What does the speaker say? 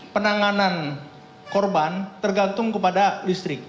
penanganan korban tergantung kepada listrik